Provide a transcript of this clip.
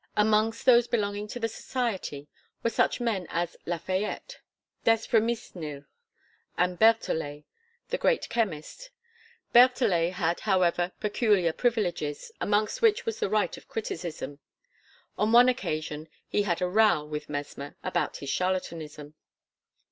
Amongst those belonging to the Society were such men as Lafayette, d'Espremisnil, and Berthollet the great chemist. Berthollet had, however, peculiar privileges, amongst which was the right of criticism. On one occasion he had a "row" with Mesmer about his charlatanism.